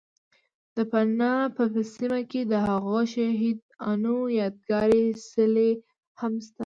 ، د پنه په سیمه کې دهغو شهید انو یاد گاري څلی هم شته